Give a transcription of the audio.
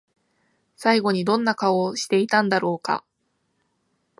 最後にどんな顔をしていたんだろうか？